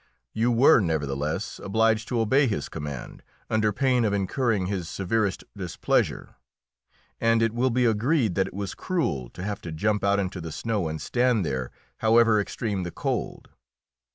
You were nevertheless obliged to obey his command, under pain of incurring his severest displeasure, and it will be agreed that it was cruel to have to jump out into the snow and stand there, however extreme the cold.